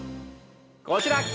◆こちら。